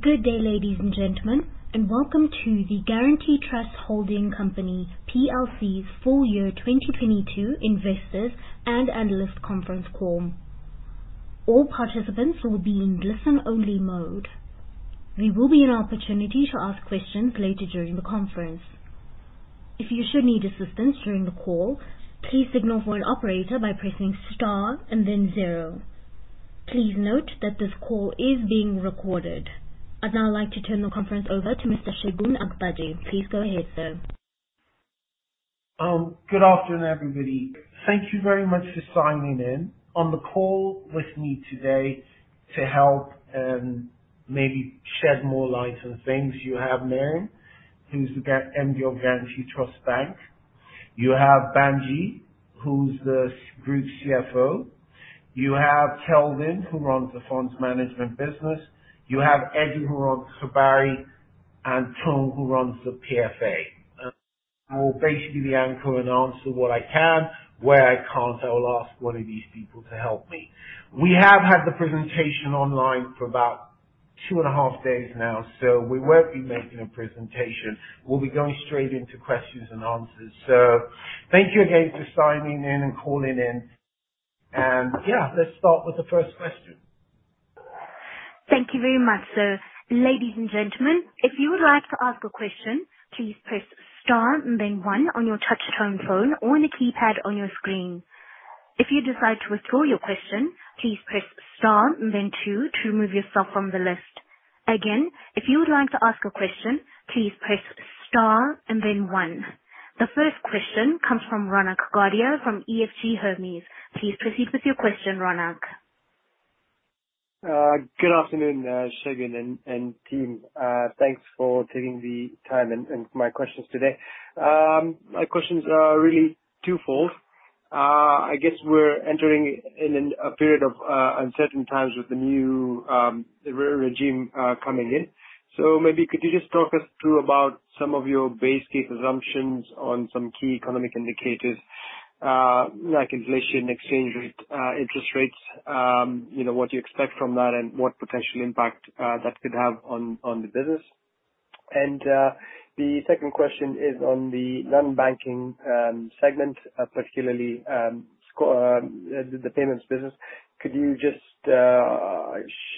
Good day, ladies and gentlemen, and welcome to the Guaranty Trust Holding Company Plc's Full Year 2022 Investors and Analyst Conference Call. All participants will be in listen-only mode. There will be an opportunity to ask questions later during the conference. If you should need assistance during the call, please signal for an operator by pressing star and then zero. Please note that this call is being recorded. I'd now like to turn the conference over to Mr. Segun Agbaje. Please go ahead, sir. Good afternoon, everybody. Thank you very much for signing in. On the call with me today to help, maybe shed more light on things you have Miriam, who's the MD of Guaranty Trust Bank. You have Banji, who's the Group CFO. You have Kelvin, who runs the Funds Management business. You have Eddie, who runs Habari, and Tom, who runs the PFA. I will basically anchor and answer what I can. Where I can't, I will ask one of these people to help me. We have had the presentation online for about 2.5 days now, we won't be making a presentation. We'll be going straight into questions and answers. Thank you again for signing in and calling in. Yeah, let's start with the first question. Thank you very much, sir. Ladies and gentlemen, if you would like to ask a question, please press star and then one on your touchtone phone or on the keypad on your screen. If you decide to withdraw your question, please press star and then two to remove yourself from the list. Again, if you would like to ask a question, please press star and then one. The first question comes from Ronak Gadhia from EFG Hermes. Please proceed with your question, Ronak. Good afternoon, Segun and team. Thanks for taking the time and my questions today. My questions are really twofold. I guess we're entering in a period of uncertain times with the new regime coming in. Maybe could you just talk us through about some of your base case assumptions on some key economic indicators, like inflation, exchange rate, interest rates, you know, what you expect from that and what potential impact that could have on the business. The second question is on the Non-banking segment, particularly Squad, the payments business. Could you just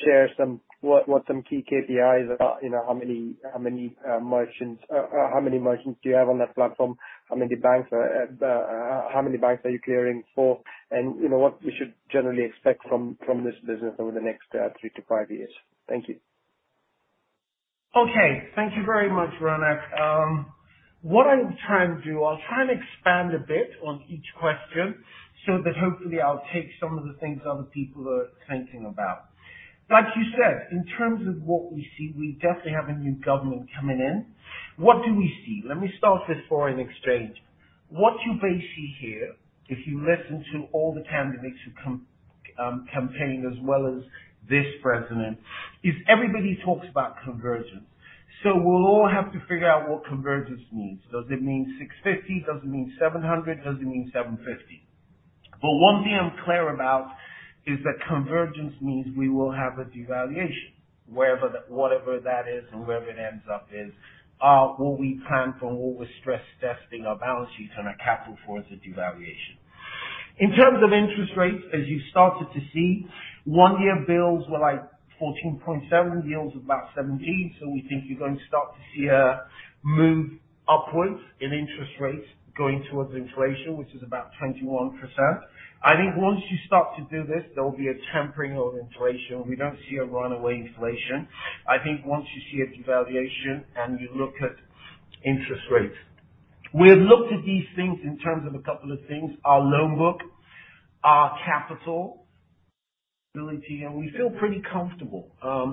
share some. What some key KPIs about, you know, how many merchants do you have on that platform? How many banks are you clearing for? You know, what we should generally expect from this business over the next 3-5 years? Thank you. Okay. Thank you very much, Ronak. What I will try and do, I'll try and expand a bit on each question so that hopefully I'll take some of the things other people are thinking about. Like you said, in terms of what we see, we definitely have a new government coming in. What do we see? Let me start with foreign exchange. What you basically hear, if you listen to all the candidates who campaigned as well as this president, is everybody talks about convergence. We'll all have to figure out what convergence means. Does it mean 650? Does it mean 700? Does it mean 750? One thing I'm clear about is that convergence means we will have a devaluation. Wherever that, whatever that is and wherever it ends up is, are what we plan for and what we're stress-testing our balance sheets and our capital for is a devaluation. In terms of interest rates, as you started to see, 1-year bills were like 14.7, yields of about 17, so we think you're going to start to see a move upwards in interest rates going towards inflation, which is about 21%. I think once you start to do this, there will be a tampering of inflation. We don't see a runaway inflation. I think once you see a devaluation and you look at interest rates. We have looked at these things in terms of a couple of things, our loan book, our capital ability, and we feel pretty comfortable.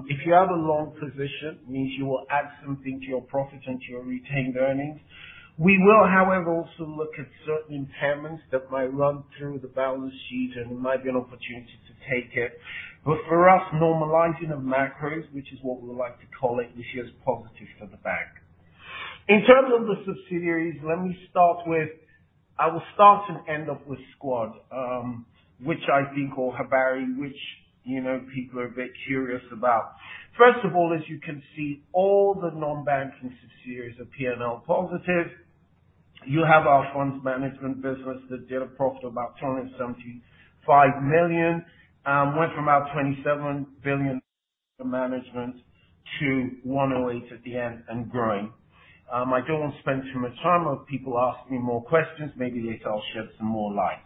If you have a long position, means you will add something to your profit and to your retained earnings. We will, however, also look at certain impairments that might run through the balance sheet, and there might be an opportunity to take it. For us, normalizing of macros, which is what we like to call it, we see as positive for the bank. In terms of the subsidiaries, I will start and end up with Squad, which I think, or Habari, which, you know, people are a bit curious about. First of all, as you can see, all the non-banking subsidiaries are P&L positive. You have our funds management business that did a profit of about 275 million, went from about 27 billion under management to 108 billion at the end and growing. I don't want to spend too much time on people asking me more questions. Maybe later I'll shed some more light.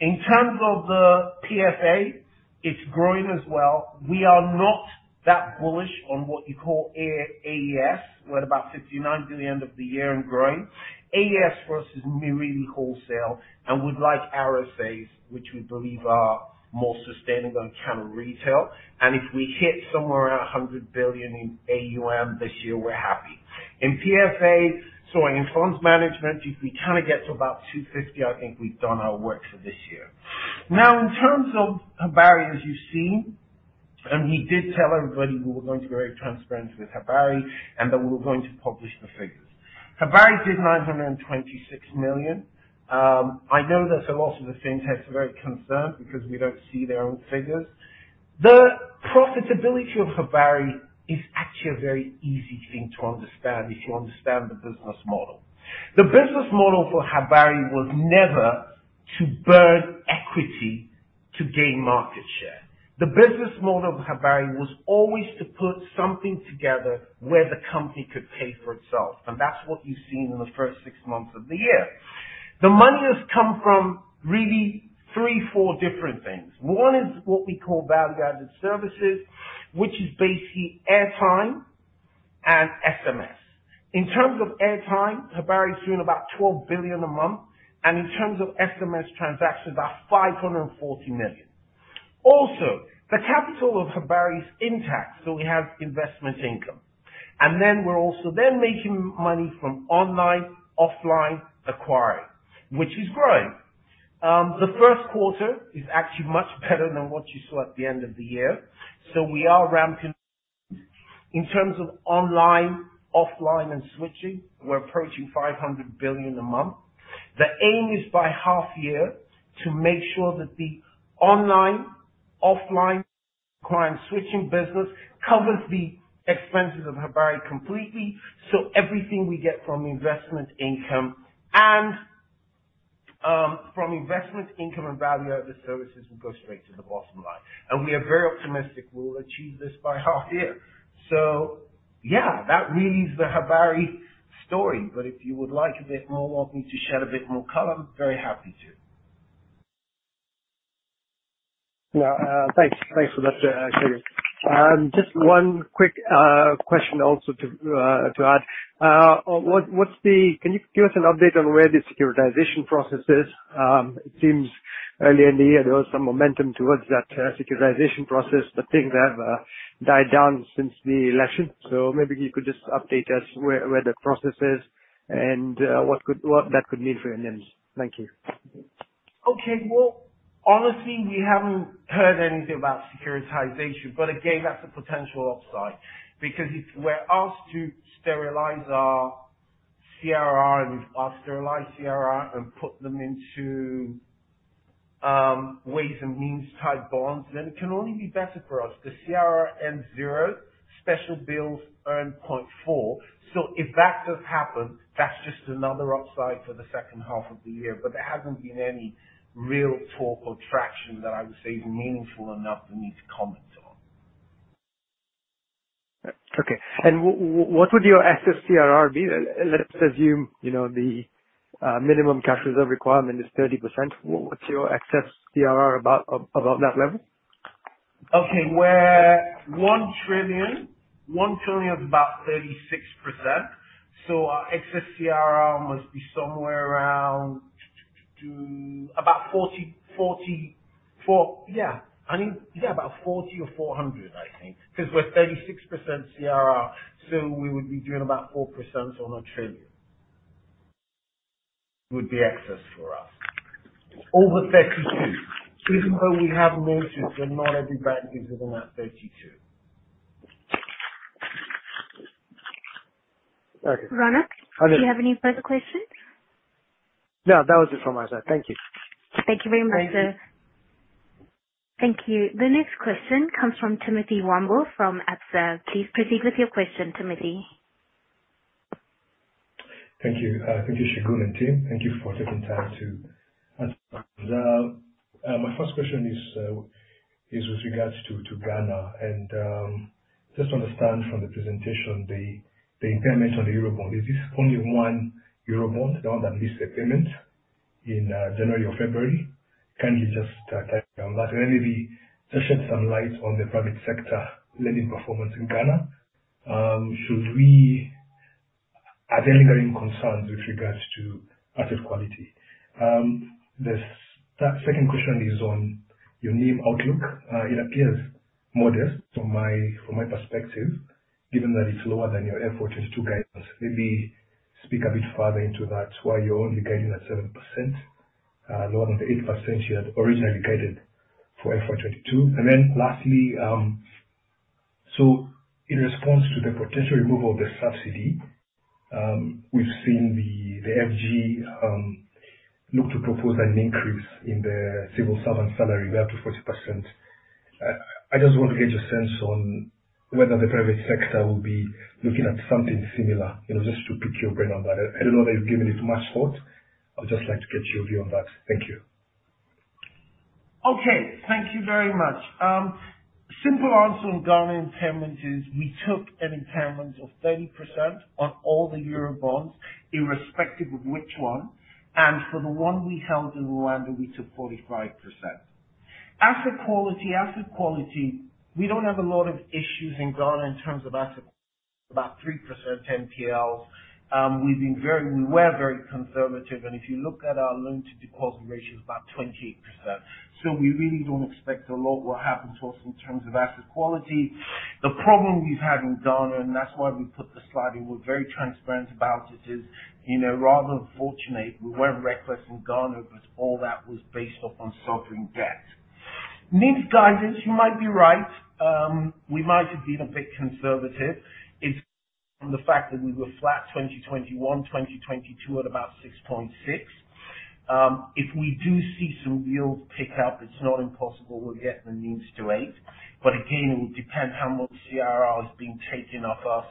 In terms of the PFA, it's growing as well. We are not that bullish on what you call AES. We're at about 59 billion end of the year and growing. AES for us is really wholesale, and we'd like RFAs, which we believe are more sustainable on account of retail. If we hit somewhere around 100 billion in AUM this year, we're happy. In PFA, sorry, in funds management, if we kinda get to about 250 billion, I think we've done our work for this year. In terms of Habari, as you've seen, we did tell everybody we were going to be very transparent with Habari and that we were going to publish the figures. Habari did 926 million. I know there's a lot of are very concerned because we don't see their own figures. The profitability of Habari is actually a very easy thing to understand if you understand the business model. The business model for Habari was never to burn equity to gain market share. The business model for Habari was always to put something together where the company could pay for itself, and that's what you've seen in the first six months of the year. The money has come from really three, four different things. One is what we call value-added services, which is basically airtime and SMS. In terms of airtime, Habari is doing about 12 billion a month, and in terms of SMS transactions, about 540 million. Also, the capital of Habari is intact, so we have investment income. We're also then making money from online, offline acquiring, which is growing. The first quarter is actually much better than what you saw at the end of the year. We are ramping. In terms of online, offline and switching, we're approaching 500 billion a month. The aim is by half year to make sure that the online, offline acquiring switching business covers the expenses of Habari completely. Everything we get from investment income and from investment income and value-added services will go straight to the bottom line. We are very optimistic we will achieve this by half year. Yeah, that really is the Habari story. If you would like a bit more, want me to share a bit more color, I'm very happy to. No. Thanks. Thanks for that. Just one quick question also to add. Can you give us an update on where the securitization process is? It seems early in the year there was some momentum towards that securitization process. I think that died down since the election, so maybe you could just update us where the process is and what that could mean for your numbers. Thank you. Okay. Well, honestly, we haven't heard anything about securitization, but again, that's a potential upside because if we're asked to sterilize our CRR and we've asked sterilized CRR and put them into ways and Means type bonds, then it can only be better for us. The CRR ends 0. Special bills earn 0.4. If that does happen, that's just another upside for the second half of the year. There hasn't been any real talk or traction that I would say is meaningful enough for me to comment on. Okay. What would your excess CRR be? Let's assume, you know, the minimum cash reserve requirement is 30%. What's your excess CRR about that level? Okay, we're 1 trillion. 1 trillion is about 36%, so our excess CRR must be somewhere around to about 40, 4. I mean, about 40 or 400, I think, 'cause we're at 36% CRR, so we would be doing about 4% on a 1 trillion. Would be excess for us. Over 32%. Even though we have noticed that not every bank is within that 32%. Okay. Ronak- I don't- Do you have any further questions? No, that was it from my side. Thank you. Thank you very much, sir. Thank you. The next question comes from Timothy Wambu from Absa. Please proceed with your question, Timothy. Thank you. Thank you, Segun and team. Thank you for taking time to answer. My first question is with regards to Ghana. Just to understand from the presentation the impairment on the Eurobond. Is this only one Eurobond, the one that missed a payment in January or February? Can you just clarify on that? Maybe just shed some light on the private sector lending performance in Ghana. Are there any concerns with regards to asset quality? The second question is on your NIM outlook. It appears modest from my perspective, given that it's lower than your F-four twenty-two guidance. Maybe speak a bit further into that, why you're only guiding at 7%, lower than the 8% you had originally guided for F-four twenty-two. Lastly, in response to the potential removal of the subsidy, we've seen the FG look to propose an increase in the civil servant salary way up to 40%. I just want to get your sense on whether the private sector will be looking at something similar. You know, just to pick your brain on that. I don't know that you've given it much thought. I would just like to get your view on that. Thank you. Okay. Thank you very much. Simple answer on Ghana impairment is we took an impairment of 30% on all the Eurobonds, irrespective of which one. For the one we held in Rwanda, we took 45%. Asset quality, we don't have a lot of issues in Ghana in terms of asset. About 3% NPL. We were very conservative. If you look at our loan to deposit ratio, it's about 28%. We really don't expect a lot will happen to us in terms of asset quality. The problem we've had in Ghana, and that's why we put the slide and we're very transparent about it, is, you know, rather unfortunate. We were reckless in Ghana, but all that was based off on sovereign debt. NIM guidance, you might be right. We might have been a bit conservative. It's from the fact that we were flat 2021, 2022 at about 6.6%. If we do see some yields pick up, it's not impossible we'll get the NIMs to 8%. Again, it will depend how much CRR is being taken off us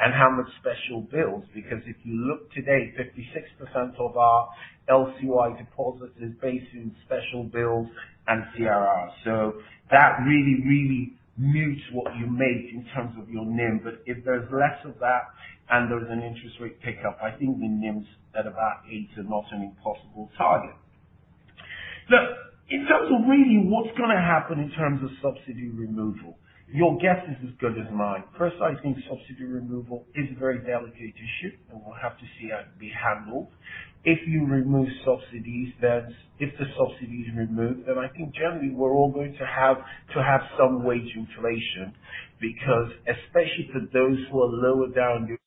and how much Special Bills. If you look today, 56% of our LCY deposits is based in Special Bills and CRR. That really mutes what you make in terms of your NIM. If there's less of that and there's an interest rate pickup, I think the NIMs at about 8% are not an impossible target. Look, in terms of really what's gonna happen in terms of subsidy removal, your guess is as good as mine. First, I think subsidy removal is a very delicate issue, and we'll have to see how it'll be handled. If you remove subsidies, then if the subsidy is removed, then I think generally we're all going to have some wage inflation, because especially for those who are lower down your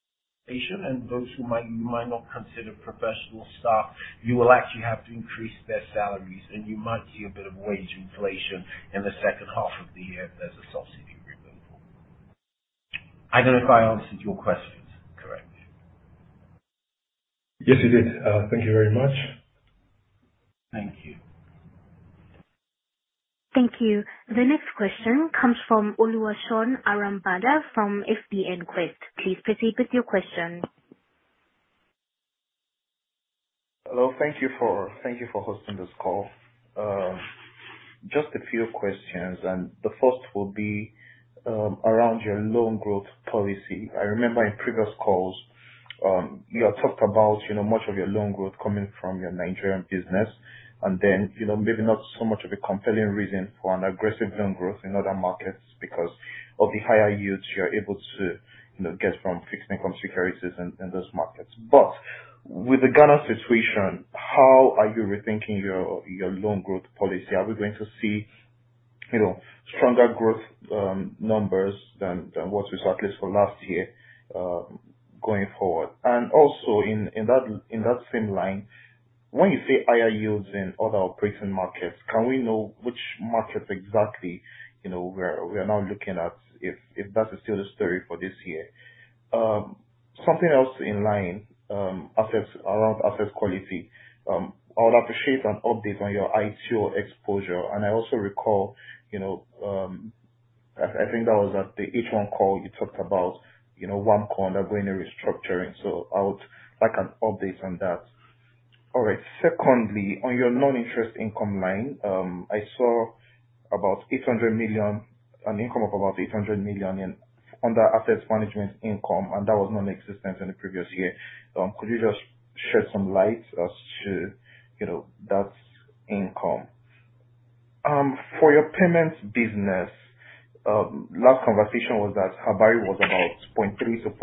station and those who might not consider professional staff, you will actually have to increase their salaries and you might see a bit of wage inflation in the second half of the year as the subsidy removal. I don't know if I answered your questions correctly? Yes, you did. Thank you very much. Thank you. Thank you. The next question comes from Oluwaseun Arambada from FBNQuest. Please proceed with your question. Hello. Thank you for hosting this call. The first will be around your loan growth policy. I remember in previous calls, you had talked about, you know, much of your loan growth coming from your Nigerian business and then, you know, maybe not so much of a compelling reason for an aggressive loan growth in other markets because of the higher yields you're able to, you know, get from fixed income securities in those markets. With the Ghana situation, how are you rethinking your loan growth policy? Are we going to see, you know, stronger growth numbers than what we saw at least for last year, going forward? Also in that same line, when you say higher yields in other operating markets, can we know which markets exactly, you know, we're now looking at if that is still the story for this year? Something else in line around asset quality. I would appreciate an update on your ITO exposure. I also recall, you know, I think that was at the H1 call you talked about, you know, WAMCO undergoing a restructuring. I would like an update on that. All right. Secondly, on your non-interest income line, I saw about 800 million, an income of about 800 million in under asset management income, and that was non-existent in the previous year. Could you just shed some light as to, you know, that income? For your payments business, last conversation was that Habari was about 0.3%-0.4%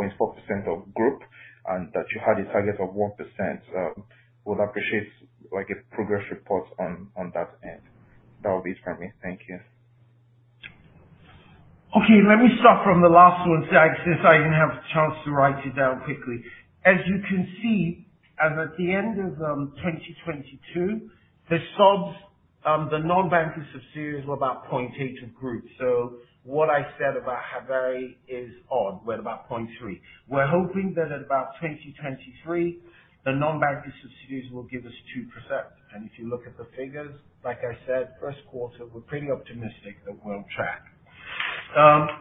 of group and that you had a target of 1%. Would appreciate like a progress report on that end. That would be it from me. Thank you. Okay. Let me start from the last one, Seun, since I didn't have a chance to write it down quickly. As you can see, as at the end of 2022, the subs, the non-banker subsidies were about 0.8% of group. What I said about Habari is odd. We're about 0.3%. We're hoping that at about 2023 the non-banker subsidies will give us 2%. If you look at the figures, like I said, first quarter we're pretty optimistic that we're on track.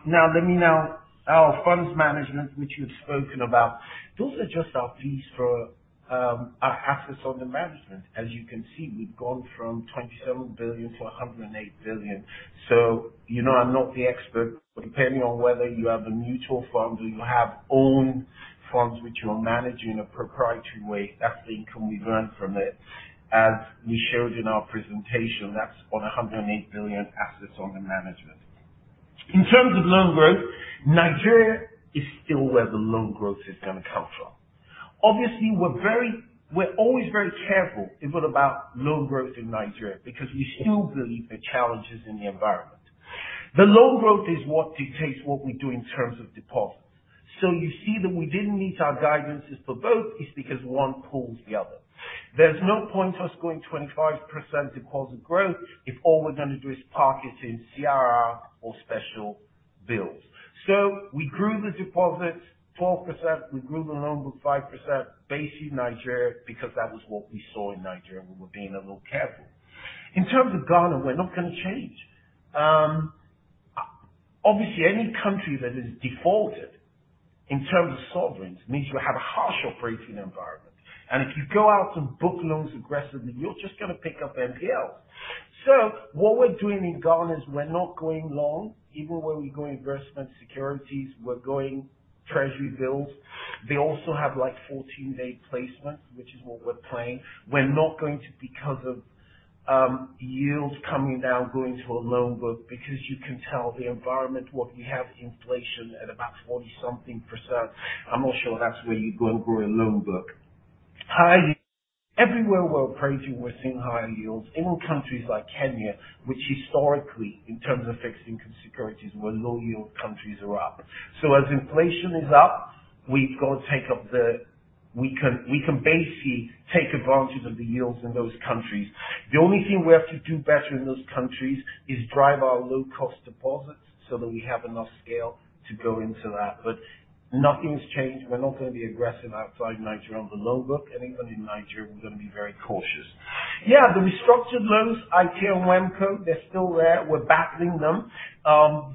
Now let me Our funds management which you've spoken about, those are just our fees for our assets under management. As you can see, we've gone from 27 billion to 108 billion. You know I'm not the expert. Depending on whether you have a mutual fund or you have own funds which you're managing a proprietary way, that's the income we've earned from it. As we showed in our presentation, that's on 108 billion assets under management. In terms of loan growth, Nigeria is still where the loan growth is gonna come from. Obviously, we're always very careful if we're about loan growth in Nigeria because we still believe there are challenges in the environment. The loan growth is what dictates what we do in terms of deposits. You see that we didn't meet our guidances for both is because one pulls the other. There's no point us going 25% deposit growth if all we're gonna do is park it in CRR or Special Bills. We grew the deposits 4%, we grew the loan book 5% based in Nigeria because that was what we saw in Nigeria and we were being a little careful. In terms of Ghana, we're not gonna change. Obviously any country that has defaulted in terms of sovereigns means you have a harsh operating environment. If you go out and book loans aggressively, you're just gonna pick up NPLs. What we're doing in Ghana is we're not going long. Even when we go investment securities, we're going Treasury bills. They also have like 14-day placements, which is what we're playing. We're not going to because of yields coming down going to a loan book because you can tell the environment what you have is inflation at about 40 something %. I'm not sure that's where you go and grow a loan book. everywhere we're operating we're seeing higher yields. Even countries like Kenya, which historically in terms of fixed income securities were low yield countries are up. As inflation is up, we can basically take advantage of the yields in those countries. The only thing we have to do better in those countries is drive our low cost deposits so that we have enough scale to go into that. Nothing's changed. We're not gonna be aggressive outside Nigeria on the loan book. Even in Nigeria, we're gonna be very cautious. The restructured loans, IT and WAMCO, they're still there. We're battling them.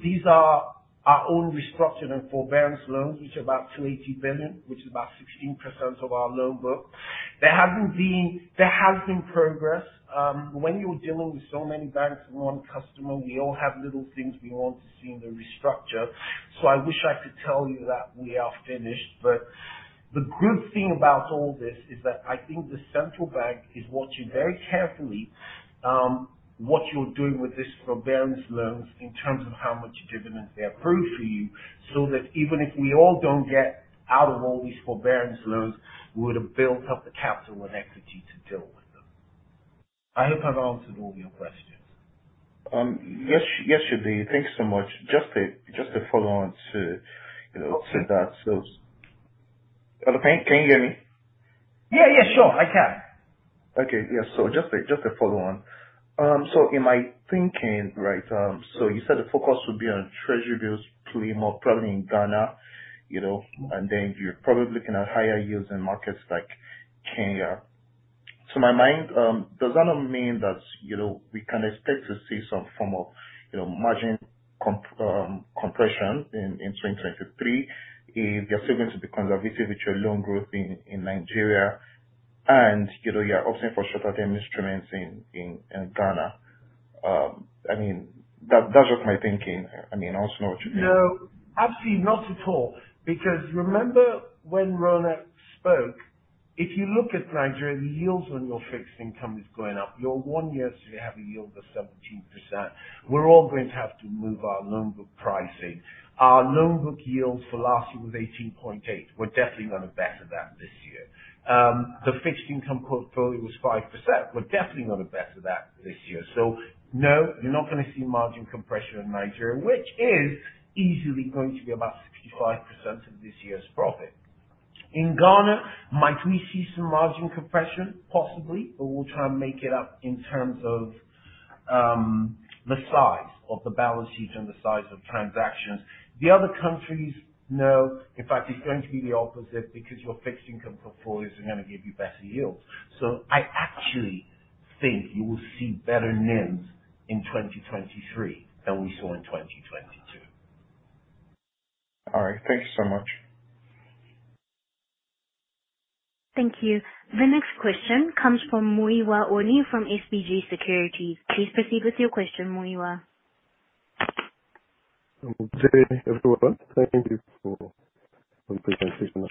These are our own restructured and forbearance loans, which are about 280 billion, which is about 16% of our loan book. There has been progress. When you're dealing with so many banks and one customer, we all have little things we want to see in the restructure. I wish I could tell you that we are finished. The good thing about all this is that I think the central bank is watching very carefully, what you're doing with this forbearance loans in terms of how much dividends they approve for you, so that even if we all don't get out of all these forbearance loans, we would have built up the capital and equity to deal with them. I hope I've answered all your questions. Yes, you did. Thank you so much. Just a follow-on to, you know, to that. Hello, can you hear me? Yeah, yeah, sure. I can. Okay. Yeah. Just a follow-on. In my thinking, right, you said the focus would be on treasury bills play more probably in Ghana, you know, and then you're probably looking at higher yields in markets like Kenya. To my mind, does that not mean that, you know, we can expect to see some form of, you know, margin compression in 2023 if you're still going to be conservative with your loan growth in Nigeria and, you know, you're opting for shorter-term instruments in Ghana? I mean, that's just my thinking. I mean, I want to know what you think. No, absolutely not at all. Remember when Ronak spoke, if you look at Nigeria, the yields on your fixed income is going up. Your one year should have a yield of 17%. We're all going to have to move our loan book pricing. Our loan book yields for last year was 18.8%. We're definitely gonna better that this year. The fixed income portfolio was 5%. We're definitely gonna better that this year. No, you're not gonna see margin compression in Nigeria, which is easily going to be about 65% of this year's profit. In Ghana, might we see some margin compression? Possibly, we'll try and make it up in terms of the size of the balance sheet and the size of transactions. The other countries, no. In fact, it's going to be the opposite because your fixed income portfolios are gonna give you better yields. I actually think you will see better NIMs in 2023 than we saw in 2022. All right. Thank you so much. Thank you. The next question comes from Muyiwa Oni from SBG Securities. Please proceed with your question, Muyiwa. Good day, everyone. Thank you for the presentation.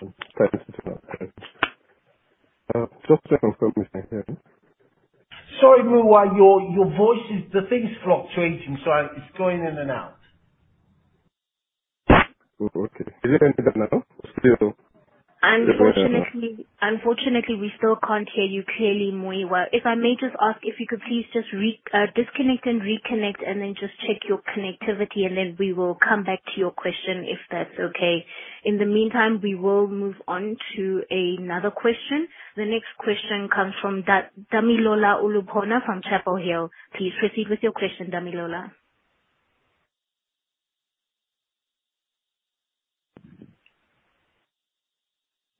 Just to confirm with my hearing. Sorry, Muyiwa. Your voice is... The thing's fluctuating, so it's going in and out. Oh, okay. Is it better now? Unfortunately, we still can't hear you clearly, Muyiwa. If I may just ask if you could please just disconnect and reconnect and then just check your connectivity, and then we will come back to your question, if that's okay. In the meantime, we will move on to another question. The next question comes from Damilola Olupona from Chapel Hill. Please proceed with your question, Damilola.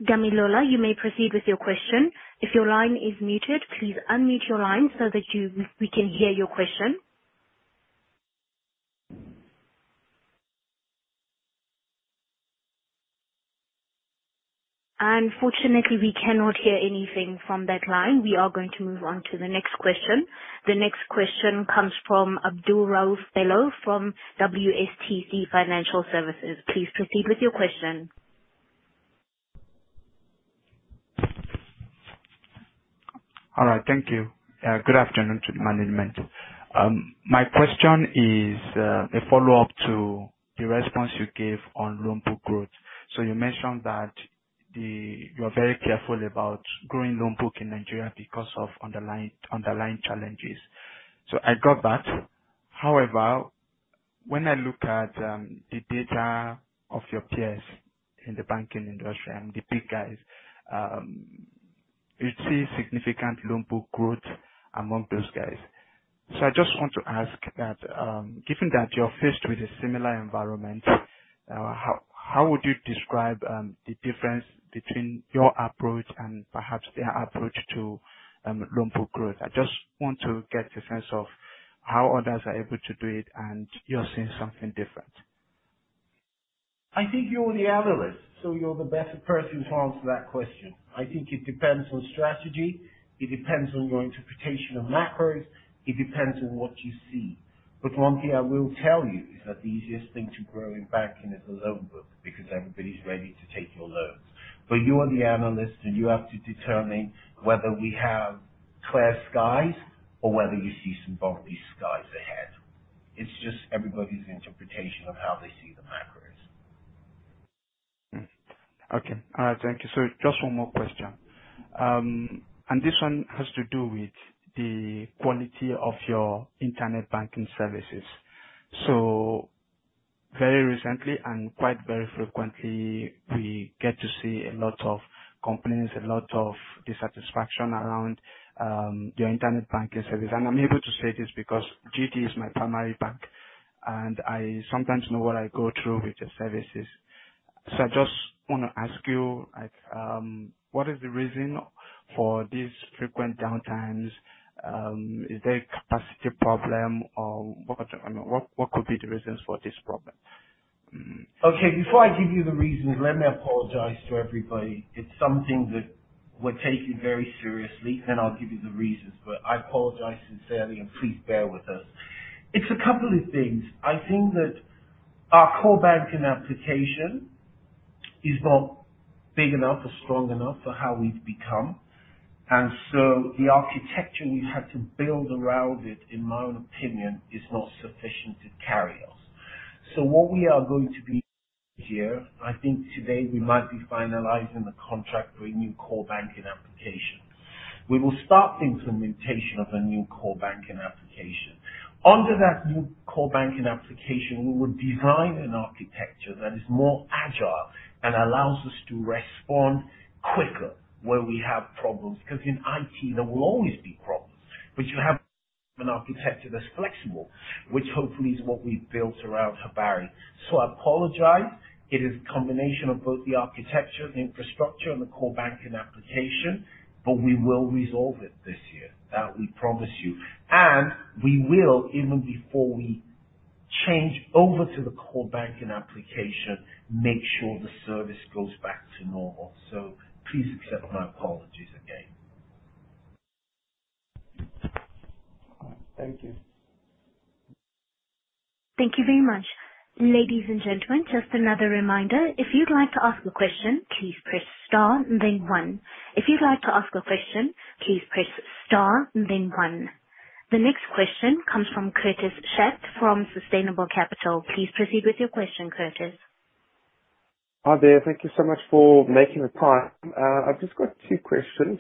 Damilola, you may proceed with your question. If your line is muted, please unmute your line so that you, we can hear your question. Unfortunately, we cannot hear anything from that line. We are going to move on to the next question. The next question comes from Abdulrauf Aremu Bello from WSTC Financial Services. Please proceed with your question. All right. Thank you. Good afternoon to the management. My question is a follow up to the response you gave on loan book growth. You mentioned that you're very careful about growing loan book in Nigeria because of underlying challenges. I got that. However, when I look at the data of your peers in the banking industry and the big guys, you see significant loan book growth among those guys. I just want to ask that, given that you're faced with a similar environment, how would you describe the difference between your approach and perhaps their approach to loan book growth? I just want to get a sense of how others are able to do it and you're seeing something different. I think you're the analyst, so you're the best person to answer that question. I think it depends on strategy. It depends on your interpretation of macros. It depends on what you see. One thing I will tell you is that the easiest thing to grow in banking is the loan book, because everybody's ready to take your loans. You are the analyst, and you have to determine whether we have clear skies or whether you see some bumpy skies ahead. It's just everybody's interpretation of how they see the macros. Okay. Thank you. Just one more question. This one has to do with the quality of your Internet banking services. Very recently, quite very frequently, we get to see a lot of complaints, a lot of dissatisfaction around your internet banking service. I'm able to say this because GT is my primary bank, and I sometimes know what I go through with your services. I just wanna ask you, like, what is the reason for these frequent downtimes? Is there a capacity problem or what could be the reasons for this problem? Okay, before I give you the reasons, let me apologize to everybody. It's something that we're taking very seriously, then I'll give you the reasons, but I apologize sincerely, and please bear with us. It's a couple of things. I think that our core banking application is not big enough or strong enough for how we've become. The architecture we've had to build around it, in my own opinion, is not sufficient to carry us. What we are going to be here, I think today we might be finalizing the contract for a new core banking application. We will start the implementation of a new core banking application. Under that new core banking application, we will design an architecture that is more agile and allows us to respond quicker where we have problems. In IT there will always be problems, but you have an architecture that's flexible, which hopefully is what we've built around Habari. I apologize. It is a combination of both the architecture, the infrastructure, and the core banking application. We will resolve it this year. That we promise you. We will, even before we change over to the core banking application, make sure the service goes back to normal. Please accept my apologies again. Thank you. Thank you very much. Ladies and gentlemen, just another reminder, if you'd like to ask a question, please press star and then one. If you'd like to ask a question, please press star and then one. The next question comes from Curtis Schacht from Sustainable Capital. Please proceed with your question, Curtis. Hi there. Thank you so much for making the time. I've just got two questions.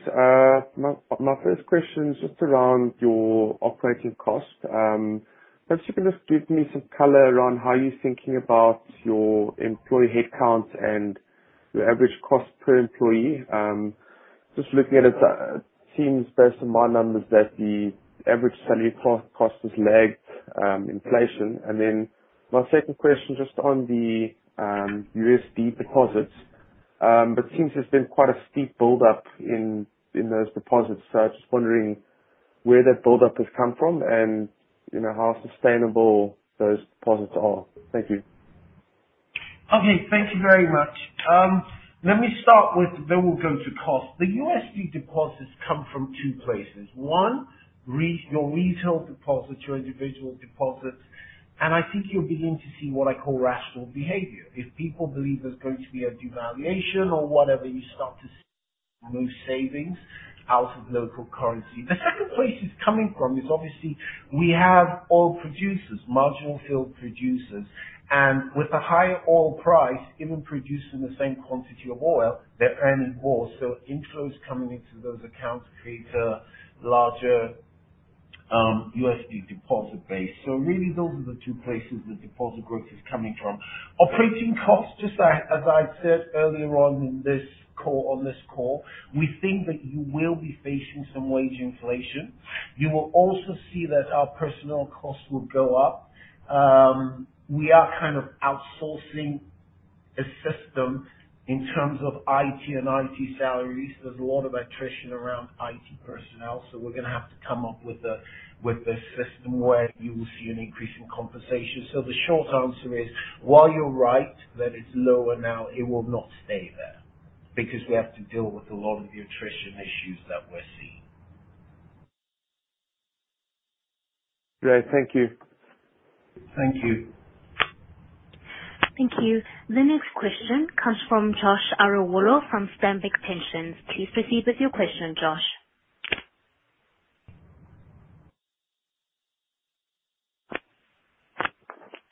My, my first question is just around your operating cost. Perhaps you can just give me some color around how you're thinking about your employee headcount and your average cost per employee. Just looking at it seems based on my numbers that the average salary cost has lagged inflation. My second question, just on the USD deposits. It seems there's been quite a steep build up in those deposits. I'm just wondering where that build up has come from and, you know, how sustainable those deposits are. Thank you. Okay. Thank you very much. Let me start. We'll go to cost. The USD deposits come from two places. One, your retail deposits, your individual deposits. I think you'll begin to see what I call rational behavior. If people believe there's going to be a devaluation or whatever, you start to see move savings out of local currency. The second place it's coming from is obviously we have oil producers, marginal field producers. With the high oil price, even producing the same quantity of oil, they're earning more, so inflows coming into those accounts create a larger USD deposit base. Really those are the two places the deposit growth is coming from. Operating costs, just as I said earlier on this call, we think that you will be facing some wage inflation. You will also see that our personnel costs will go up. We are kind of outsourcing a system in terms of IT and IT salaries. There's a lot of attrition around IT personnel, we're gonna have to come up with a system where you will see an increase in compensation. The short answer is, while you're right that it's lower now, it will not stay there. We have to deal with a lot of the attrition issues that we're seeing. Great. Thank you. Thank you. Thank you. The next question comes from Josh Arowolo from Stanbic Pensions. Please proceed with your question, Josh.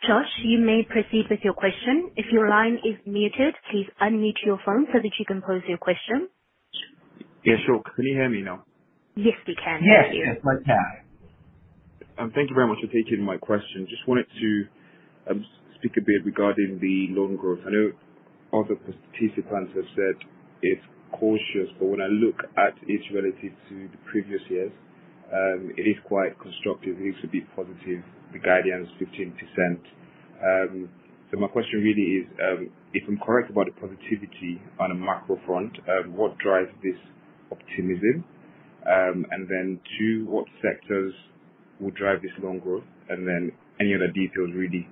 Josh, you may proceed with your question. If your line is muted, please unmute your phone so that you can pose your question. Yeah, sure. Can you hear me now? Yes, we can. Yes. Yes, we can. Thank you very much for taking my question. Just wanted to speak a bit regarding the loan growth. I know other participants have said it's cautious, but when I look at it relative to the previous years, it is quite constructive. It needs to be positive. The guidance 15%. My question really is, if I'm correct about the positivity on a macro front, what drives this optimism? Then two, what sectors will drive this loan growth? Then any other details really,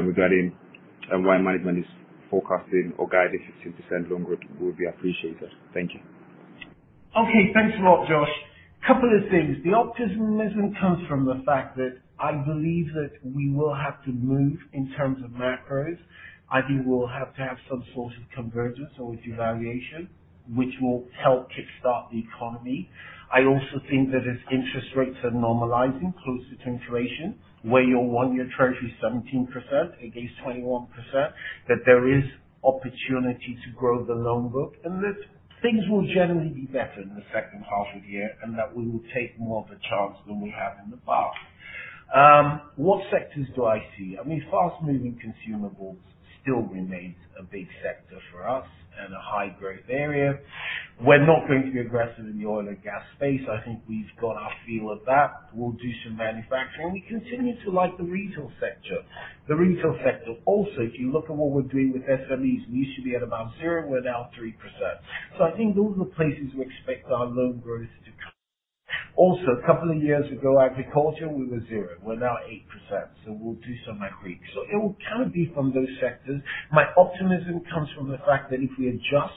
regarding why management is forecasting or guiding 15% loan growth would be appreciated. Thank you. Okay, thanks a lot, Josh. Couple of things. The optimism comes from the fact that I believe that we will have to move in terms of macros. I think we'll have to have some sort of convergence or a devaluation, which will help kickstart the economy. I also think that as interest rates are normalizing closer to inflation, where your one-year treasury is 17% against 21%, that there is opportunity to grow the loan book. That things will generally be better in the second half of the year, and that we will take more of a chance than we have in the past. What sectors do I see? I mean, fast-moving consumables still remains a big sector for us and a high growth area. We're not going to be aggressive in the oil and gas space. I think we've got our feel of that. We'll do some manufacturing. We continue to like the retail sector. The retail sector also, if you look at what we're doing with SMEs, we used to be at about 0, we're now 3%. I think those are the places we expect our loan growth to come. A couple of years ago, agriculture we were 0. We're now 8%, so we'll do some agri. It will kind of be from those sectors. My optimism comes from the fact that if we adjust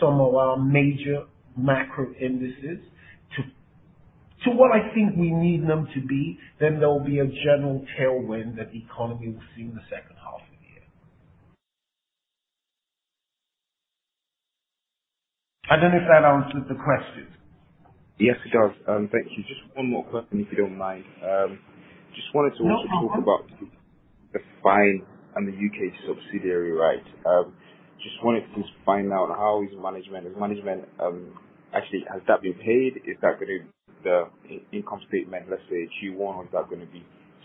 some of our major macro indices to what I think we need them to be, then there will be a general tailwind that the economy will see in the second half of the year. I don't know if that answered the question. Yes, it does. Thank you. Just one more question, if you don't mind. No, uh-uh. Talk about the fine and the UK subsidiary, right? Just wanted to find out how is management... Is management, actually, has that been paid? Is that gonna the income statement, let's say Q1, is that gonna be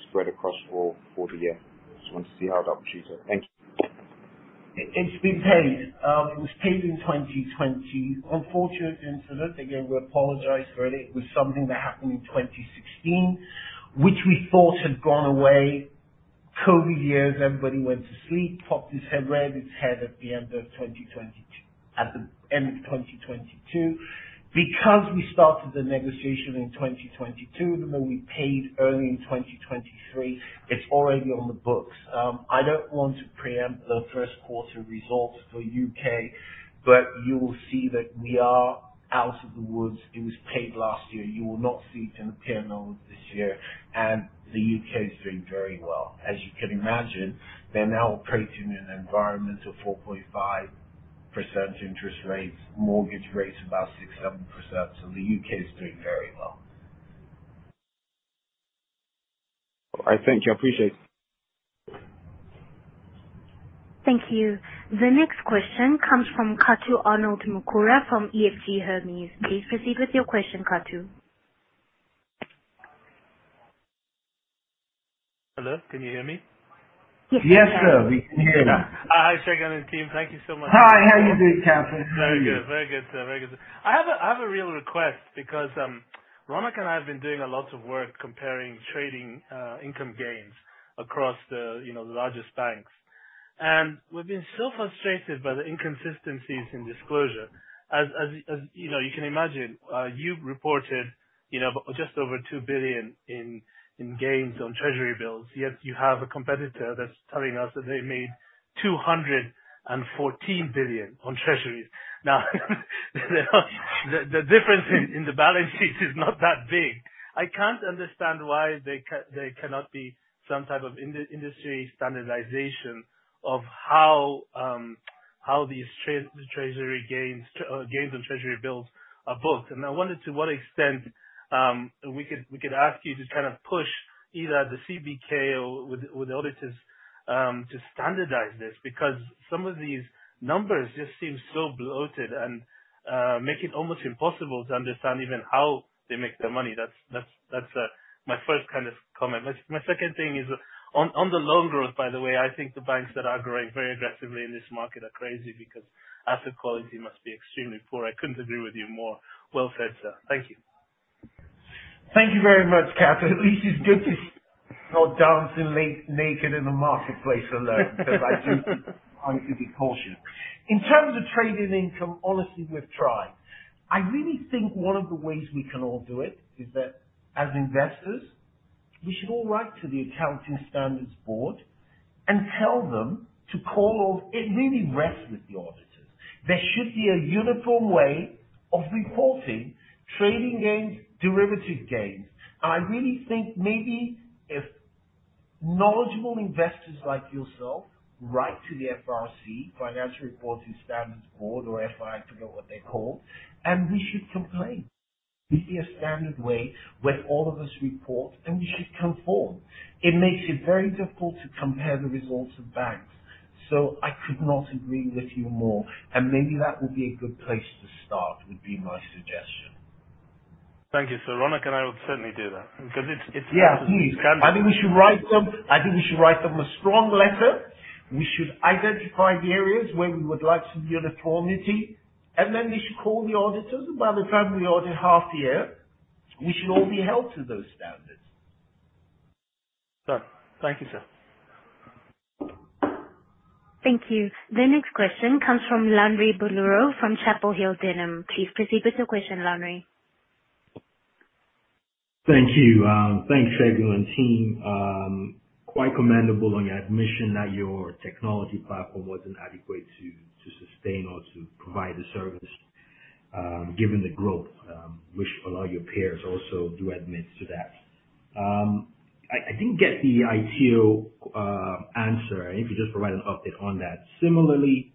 spread across for the year? Just want to see how that was treated. Thank you. It's been paid. It was paid in 2020. Unfortunate incident. Again, we apologized for it. It was something that happened in 2016, which we thought had gone away. COVID years, everybody went to sleep, popped its head, reared its head at the end of 2022. Because we started the negotiation in 2022, the more we paid early in 2023, it's already on the books. I don't want to preempt the first quarter results for U.K., but you will see that we are out of the woods. It was paid last year. You will not see it in the P&L this year. The U.K. is doing very well. As you can imagine, they're now operating in an environment of 4.5% interest rates, mortgage rates about 6%, 7%. The U.K. is doing very well. All right. Thank you. I appreciate it. Thank you. The next question comes from Kato Arnold Mukuru from EFG Hermes. Please proceed with your question, Kato. Hello, can you hear me? Yes, sir, we can hear you. Hi, Segun and team. Thank you so much. Hi. How are you doing, Kato? Very good. Very good, sir. Very good, sir. I have a real request because Ronak and I have been doing a lot of work comparing trading income gains across the, you know, the largest banks. We've been so frustrated by the inconsistencies in disclosure. As you know, you can imagine, you've reported, you know, just over $2 billion in gains on treasury bills. Yet you have a competitor that's telling us that they made $214 billion on treasuries. The difference in the balance sheet is not that big. I can't understand why there cannot be some type of industry standardization of how these treasury gains on treasury bills are booked. I wondered to what extent we could ask you to kind of push either the CBK or with auditors to standardize this because some of these numbers just seem so bloated and make it almost impossible to understand even how they make their money. That's my first kind of comment. My second thing is on the loan growth, by the way, I think the banks that are growing very aggressively in this market are crazy because asset quality must be extremely poor. I couldn't agree with you more. Well said, sir. Thank you. Thank you very much, Kato. At least it's good to not dance naked in the marketplace alone. I do honestly be cautioned. In terms of trading income, honestly, we've tried. I really think one of the ways we can all do it is that as investors, we should all write to the Accounting Standards Board and tell them to call off... It really rests with the auditors. There should be a uniform way of reporting trading gains, derivative gains. I really think maybe if knowledgeable investors like yourself write to the FRC, Financial Reporting Council or FI, I forget what they're called, we should complain. We see a standard way where all of us report, we should come forward. It makes it very difficult to compare the results of banks. I could not agree with you more. Maybe that would be a good place to start, would be my suggestion. Thank you, sir. Ronak and I will certainly do that because it's. Yeah. -scandalous. I think we should write them. I think we should write them a strong letter. We should identify the areas where we would like some uniformity, then we should call the auditors. By the time we audit half year, we should all be held to those standards. Sure. Thank you, sir. Thank you. The next question comes from Lanre Buluro from Chapel Hill Denham. Please proceed with your question, Lanre. Thank you. Thanks, Segun and team. Quite commendable on your admission that your technology platform wasn't adequate to sustain or to provide the service, given the growth, which a lot of your peers also do admit to that. I didn't get the ITO answer. If you just provide an update on that. Similarly,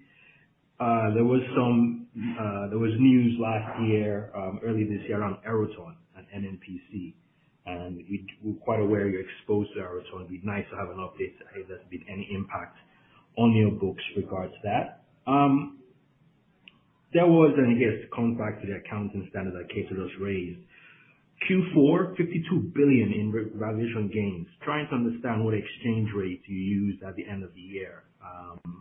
there was some news last year, early this year around Eroton and NNPC, and we're quite aware you're exposed to Eroton. It'd be nice to have an update if there's been any impact on your books regards that. There was, I guess to come back to the accounting standard that raised, Q4 52 billion in revaluation gains. Trying to understand what exchange rate you used at the end of the year.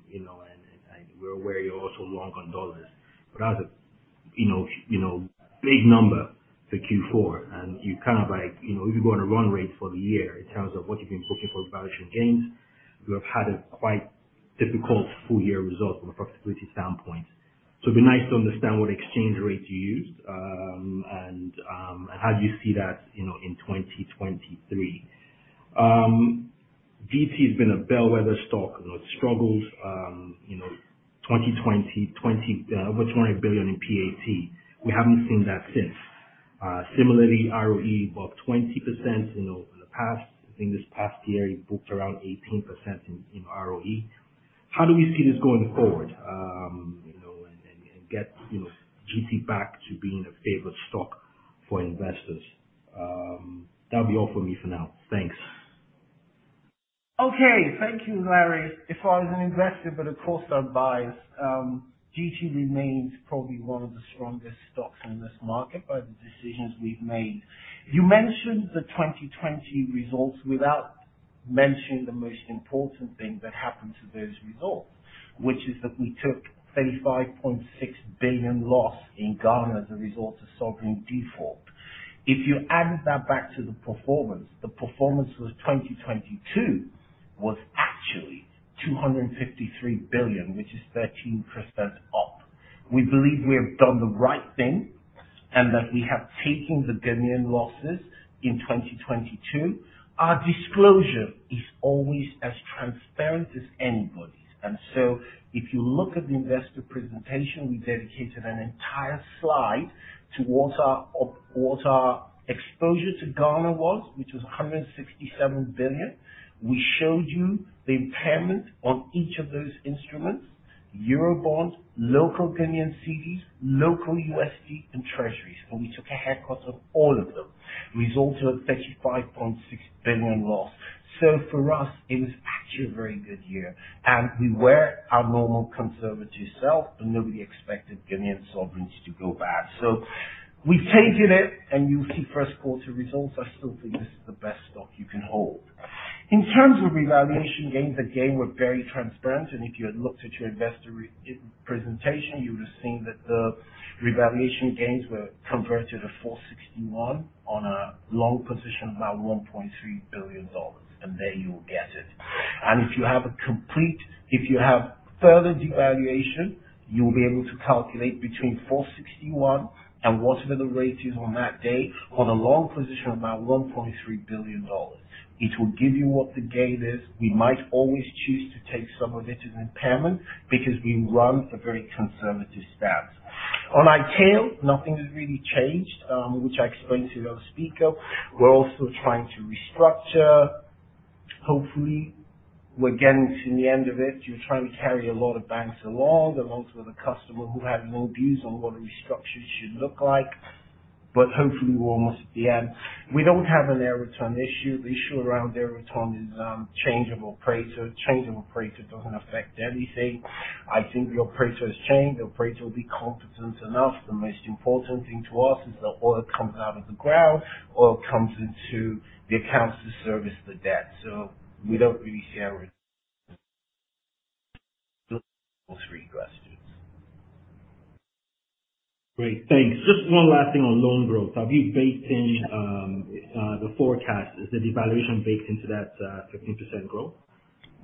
You know, and, and we're aware you're also long on dollars. As a, you know, you know, big number for Q4, and you kind of like, you know, if you go on a run rate for the year in terms of what you've been booking for valuation gains, you have had a quite difficult full year result from a profitability standpoint. It'd be nice to understand what exchange rate you used, and, how do you see that, you know, in 2023. GT has been a bellwether stock, you know, it struggled, you know, 2020, 20, over 20 billion in PAT. We haven't seen that since. Similarly ROE about 20%, you know, in the past. I think this past year you booked around 18% in ROE. How do we see this going forward? You know, get, you know, GT back to being a favorite stock for investors. That'll be all for me for now. Thanks. Okay. Thank you, Lanre. If I was an investor, but of course I'm biased, GT remains probably one of the strongest stocks in this market by the decisions we've made. You mentioned the 2020 results without mentioning the most important thing that happened to those results, which is that we took 35.6 billion loss in Ghana as a result of sovereign default. If you added that back to the performance, the performance for 2022 was actually 253 billion, which is 13% up. We believe we have done the right thing and that we have taken the Ghanaian losses in 2022. Our disclosure is always as transparent as anybody's. If you look at the investor presentation, we dedicated an entire slide to what our exposure to Ghana was, which was 167 billion. We showed you the impairment on each of those instruments, Eurobond, local Ghanaian CDs, local USD and Treasuries. We took a haircut of all of them, resulted in 35.6 billion loss. For us it was actually a very good year and we were our normal conservative self and nobody expected Ghanaian sovereignty to go bad. We've taken it and you'll see first quarter results. I still think this is the best stock you can hold. In terms of revaluation gains, again we're very transparent and if you had looked at your investor presentation, you would have seen that the revaluation gains were converted at 461 on a long position of about $1.3 billion. There you will get it. If you have a complete... If you have further devaluation, you will be able to calculate between 461 and whatever the rate is on that day on a long position of about $1.3 billion. It will give you what the gain is. We might always choose to take some of it as impairment because we run a very conservative stance. On ITIL, nothing has really changed, which I explained to the other speaker. We're also trying to restructure. Hopefully we're getting to the end of it. You're trying to carry a lot of banks along and lots of other customers who have no views on what a restructure should look like. Hopefully we're almost at the end. We don't have an Eroton issue. The issue around Eroton is change of operator. Change of operator doesn't affect anything. I think the operator has changed. The operator will be competent enough. The most important thing to us is that oil comes out of the ground, oil comes into the accounts to service the debt. We don't really share it. Those three questions. Great. Thanks. Just one last thing on loan growth. Have you baked in the forecast? Is the devaluation baked into that 15% growth?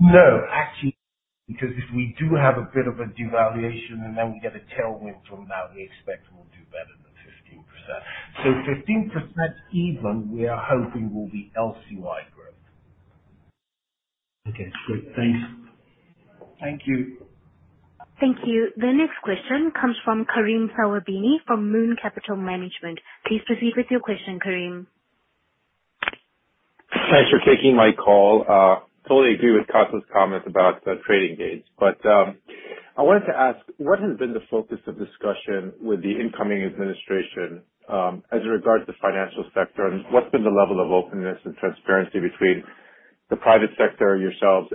Actually, because if we do have a bit of a devaluation and then we get a tailwind from that, we expect we'll do better than 15%. 15% even, we are hoping will be LCY growth. Okay, great. Thanks. Thank you. Thank you. The next question comes from Karim Sawabini from Moon Capital Management. Please proceed with your question, Karim. Thanks for taking my call. Totally agree with comments about the trading gains. I wanted to ask, what has been the focus of discussion with the incoming administration, as it regards the financial sector, and what's been the level of openness and transparency between the private sector, yourselves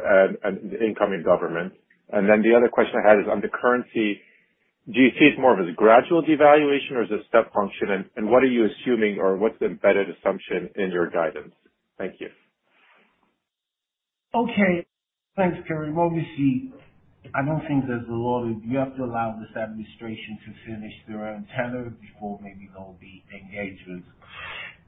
and the incoming government? The other question I had is on the currency. Do you see it more of as a gradual devaluation or as a step function? What are you assuming or what's the embedded assumption in your guidance? Thank you. Okay. Thanks, Karim. Obviously, I don't think there's a lot of. You have to allow this administration to finish their own tenure before maybe there'll be engagements.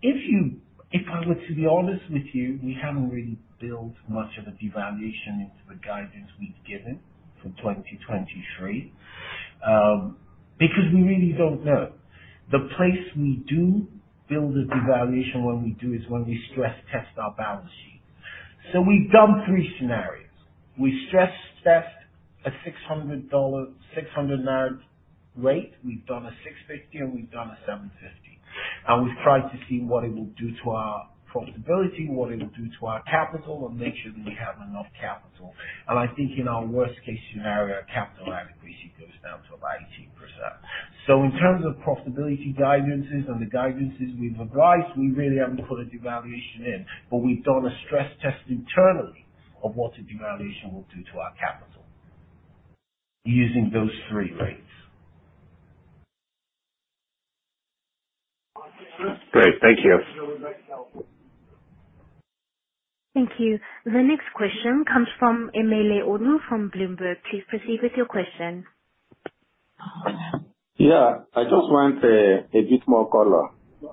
If I were to be honest with you, we haven't really built much of a devaluation into the guidance we've given for 2023, because we really don't know. The place we do build a devaluation when we do is when we stress test our balance sheet. We've done three scenarios. We stress test a 600 naira rate. We've done a 650, and we've done a 750. We've tried to see what it will do to our profitability, what it will do to our capital, and make sure that we have enough capital. I think in our worst case scenario, our capital adequacy goes down to about 18%. In terms of profitability guidances and the guidances we've advised, we really haven't put a devaluation in, but we've done a stress test internally of what a devaluation will do to our capital using those three rates. Great. Thank you. Thank you. The next question comes from Emele Onu from Bloomberg. Please proceed with your question. Yeah. I just want a bit more color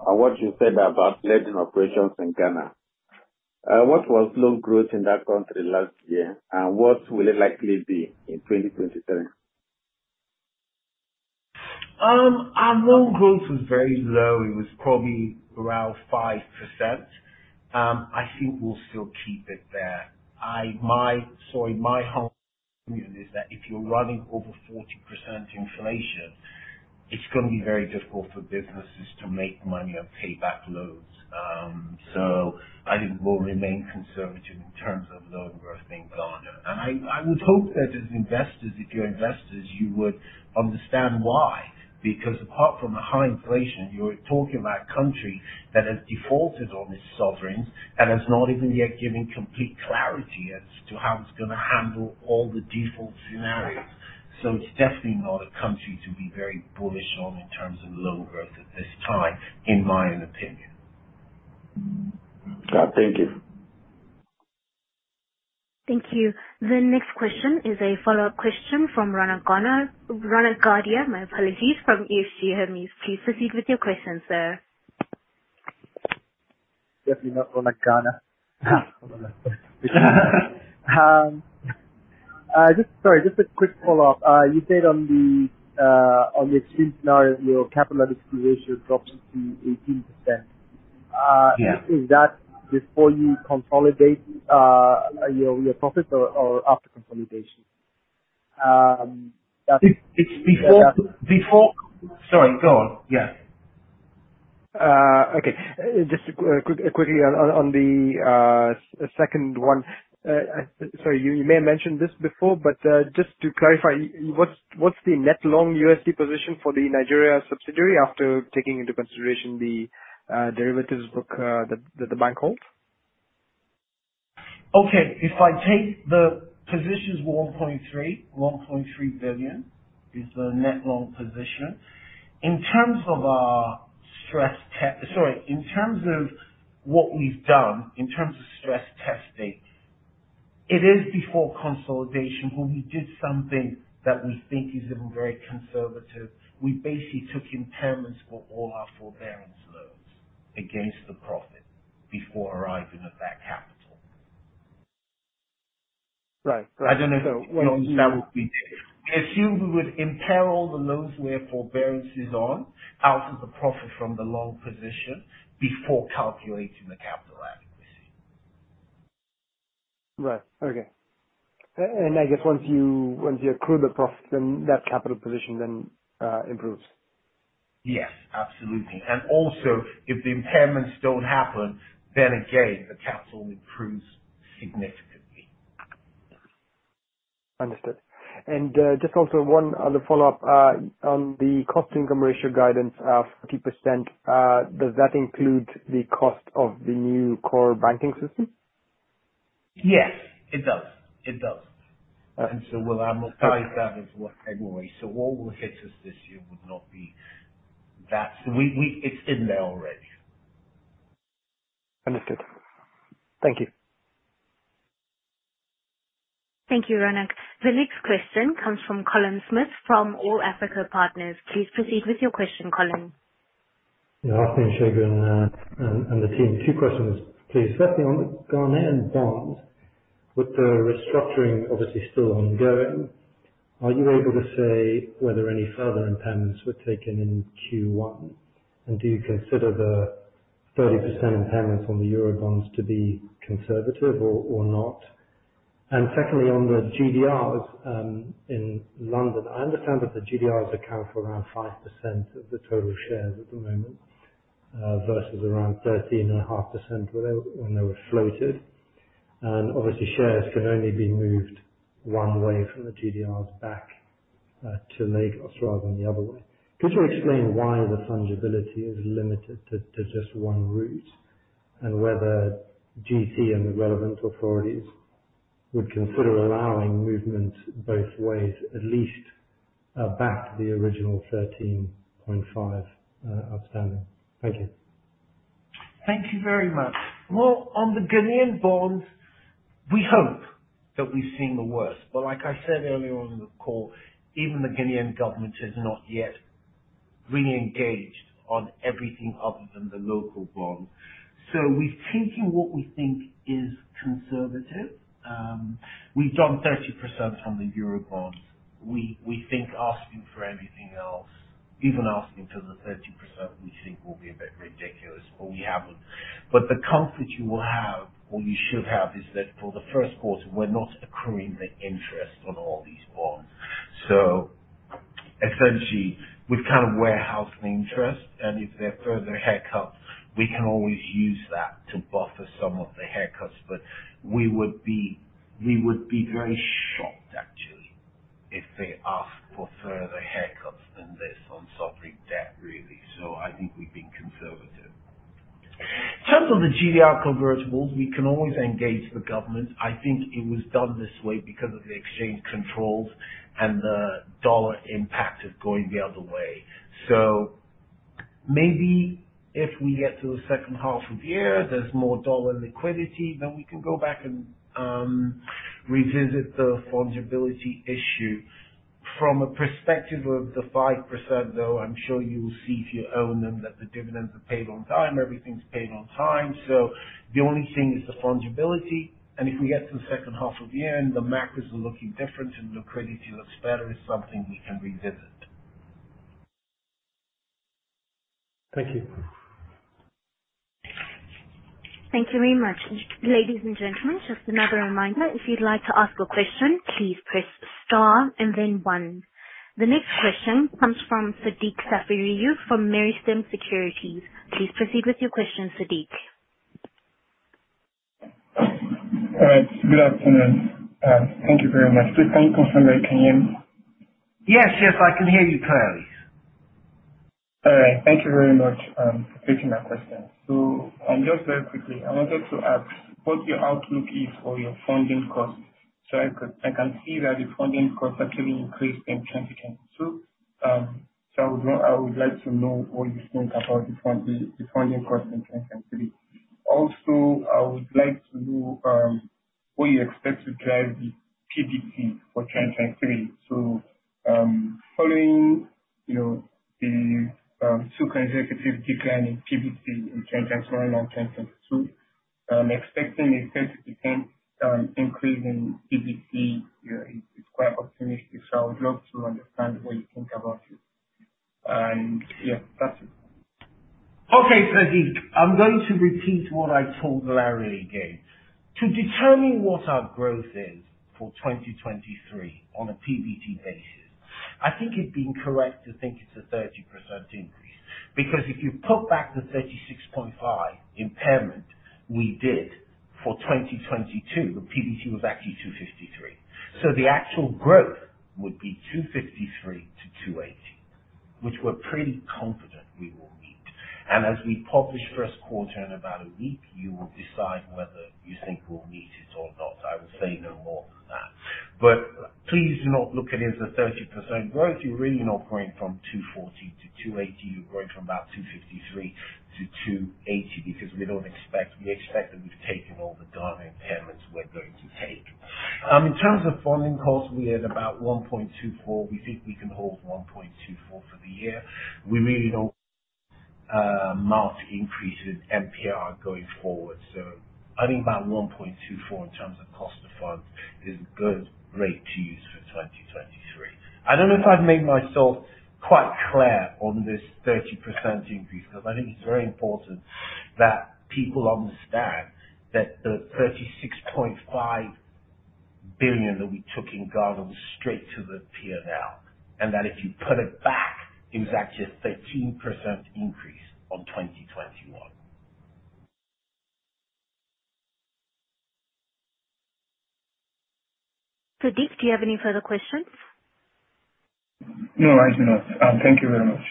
on what you said about leading operations in Ghana. What was loan growth in that country last year, and what will it likely be in 2023? Our loan growth was very low. It was probably around 5%. I think we'll still keep it there. Sorry. My whole opinion is that if you're running over 40% inflation, it's gonna be very difficult for businesses to make money and pay back loans. I think we'll remain conservative in terms of loan growth in Ghana. I would hope that as investors, if you're investors, you would understand why. Because apart from the high inflation, you're talking about a country that has defaulted on its sovereigns and has not even yet given complete clarity as to how it's gonna handle all the default scenarios. It's definitely not a country to be very bullish on in terms of loan growth at this time, in my own opinion. Thank you. Thank you. The next question is a follow-up question from Ronak Ghana, Ronak Gadhia, my apologies, from EFG Hermes. Please proceed with your question, sir. Definitely not Ronak Ghana. Sorry. Just a quick follow up. You said on the extreme scenario, your capital adequacy ratio drops to 18%. Yeah. Is that before you consolidate, your profits or after consolidation? It's before. Sorry, go on. Yeah. Okay. Just quickly on the second one. Sorry, you may have mentioned this before, but just to clarify, what's the net long USD position for the Nigeria subsidiary after taking into consideration the derivatives book that the bank holds? Okay. If I take the positions, 1.3 billion is the net long position. Sorry. In terms of what we've done, in terms of stress testing, it is before consolidation where we did something that we think is even very conservative. We basically took impairments for all our forbearance loans against the profit before arriving at that capital. Right. Right. We assumed we would impair all the loans we have forbearances on out of the profit from the long position before calculating the capital adequacy. Right. Okay. I guess once you accrue the profit, then that capital position then improves. Yes, absolutely. Also, if the impairments don't happen, then again, the capital improves significantly. Understood. Just also one other follow-up. On the cost income ratio guidance of 50%, does that include the cost of the new core banking application? Yes, it does. It does. Okay. We'll amortize that as we head away. All that hits us this year would not be that. It's in there already. Understood. Thank you. Thank you, Ronak. The next question comes from Colin Smith from All-Africa Partners. Please proceed with your question, Colin. Good afternoon, Segun Agbaje and the team. Two questions, please. Firstly, on the Ghanaian bonds, with the restructuring obviously still ongoing, are you able to say whether any further impairments were taken in Q1? Do you consider the 30% impairments on the Eurobonds to be conservative or not? Secondly, on the GDRs in London, I understand that the GDRs account for around 5% of the total shares at the moment, versus around 13.5% when they were floated. Obviously, shares can only be moved one way from the GDRs back to Lagos rather than the other way. Could you explain why the fungibility is limited to just one route? Whether GT and the relevant authorities would consider allowing movement both ways, at least, back to the original 13.5 outstanding? Thank you. Thank you very much. Well, on the Ghanaian bonds, we hope that we've seen the worst. Like I said earlier on in the call, even the Ghanaian government has not yet re-engaged on everything other than the local bonds. We're taking what we think is conservative. We've done 30% on the Eurobonds. We think asking for everything else, even asking for the 30%, we think will be a bit ridiculous, but we haven't. The comfort you will have or you should have is that for the first quarter, we're not accruing the interest on all these bonds. Essentially, we've kind of warehoused the interest and if there are further haircuts, we can always use that to buffer some of the haircuts. We would be very shocked if they ask for further haircuts than this on sovereign debt, really. I think we've been conservative. In terms of the GDR convertibles, we can always engage the government. I think it was done this way because of the exchange controls and the dollar impact of going the other way. Maybe if we get to the second half of the year, there's more dollar liquidity, then we can go back and revisit the fungibility issue. From a perspective of the 5%, though, I'm sure you will see if you own them that the dividends are paid on time, everything's paid on time, so the only thing is the fungibility. If we get to the second half of the year and the macros are looking different and liquidity looks better, it's something we can revisit. Thank you. Thank you very much. Ladies and gentlemen, just another reminder, if you'd like to ask a question, please press star and then one. The next question comes from Sodiq Safiriyu from Meristem Securities. Please proceed with your question, Sadiq. All right. Good afternoon. Thank you very much. Just one question, if I can. Yes, yes, I can hear you clearly. All right. Thank you very much, for taking my question. Just very quickly, I wanted to ask what your outlook is for your funding cost. I can see that the funding cost actually increased in 2022. I would like to know what you think about the funding cost in 2023. Also, I would like to know, what you expect to drive the PBT for 2023. Following, you know, the, two consecutive decline in PBT in 2021 and 2022, expecting a 30% increase in PBT, you know, it's quite optimistic. I would love to understand the way you think about it. Yeah, that's it. Okay, Sadiq. I'm going to repeat what I told Larry again. To determine what our growth is for 2023 on a PBT basis, I think it's been correct to think it's a 30% increase. If you put back the 36.5 impairment we did for 2022, the PBT was actually 253. The actual growth would be 253-280, which we're pretty confident we will meet. As we publish first quarter in about a week, you will decide whether you think we'll meet it or not. I will say no more than that. Please do not look at it as a 30% growth. You're really not growing from 240-280. You're growing from about 253-280 because we don't expect... We expect that we've taken all the Ghana impairments we're going to take. In terms of funding costs, we're at about 1.24%. We think we can hold 1.24% for the year. We really don't mark increase in MPR going forward. So I think about 1.24% in terms of cost to funds is a good rate to use for 2023. I don't know if I've made myself quite clear on this 30% increase, because I think it's very important that people understand that the 36.5 billion that we took in Ghana was straight to the P&L. If you put it back, it was actually a 13% increase on 2021. Sadiq, do you have any further questions? No, I do not. Thank you very much.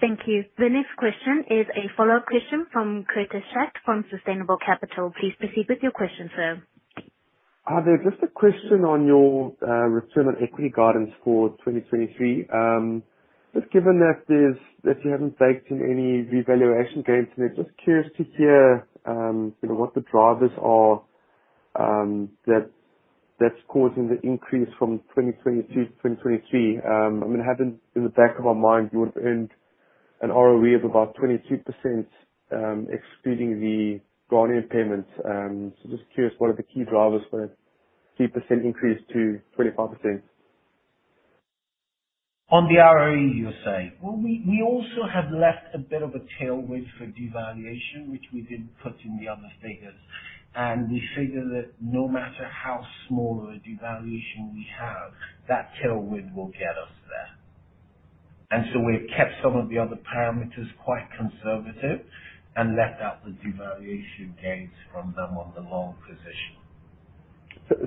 Thank you. The next question is a follow-up question from Curtis Schacht from Sustainable Capital. Please proceed with your question, sir. Hi there. Just a question on your, return on equity guidance for 2023. Just given that you haven't baked in any revaluation gains, I'm just curious to hear, you know, what the drivers are, that's causing the increase from 2022 to 2023. I mean, having in the back of my mind, you would earn an ROE of about 22%, excluding the Ghana impairments. Just curious, what are the key drivers for the 2% increase to 25%? On the ROE you're saying? Well, we also have left a bit of a tailwind for devaluation, which we didn't put in the other figures. We figure that no matter how small of a devaluation we have, that tailwind will get us there. We've kept some of the other parameters quite conservative and left out the devaluation gains from them on the long position.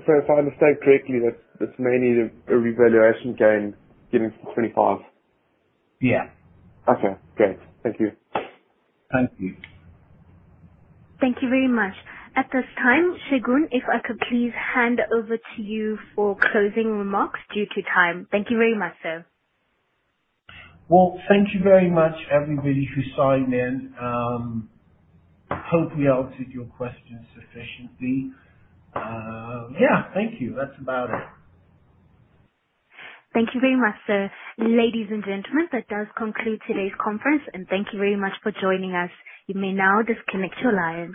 If I understand correctly, that's mainly the revaluation gain getting to 25? Yeah. Okay, great. Thank you. Thank you. Thank you very much. At this time, Segun, if I could please hand over to you for closing remarks due to time. Thank you very much, sir. Well, thank you very much everybody who signed in. hope we answered your questions sufficiently. yeah, thank you. That's about it. Thank you very much, sir. Ladies and gentlemen, that does conclude today's conference. Thank you very much for joining us. You may now disconnect your lines.